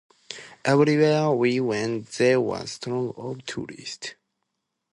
Everywhere we went, there were throngs of tourists.